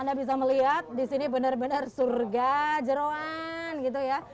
anda bisa melihat di sini benar benar surga jeruan gitu ya